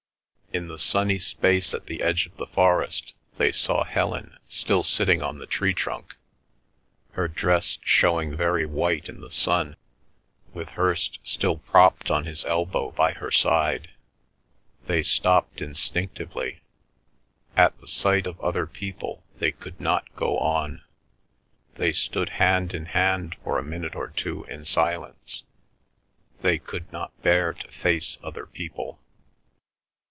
In the sunny space at the edge of the forest they saw Helen still sitting on the tree trunk, her dress showing very white in the sun, with Hirst still propped on his elbow by her side. They stopped instinctively. At the sight of other people they could not go on. They stood hand in hand for a minute or two in silence. They could not bear to face other people.